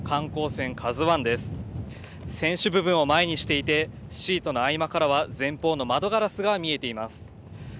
船首部分を前にしていて、シートの合間からは前方の窓ガラスが見えています。